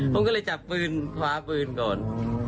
ผมก็เลยจับปืนคว้าปืนก่อน